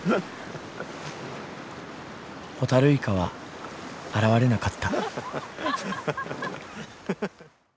ホタルイカは現れなかった。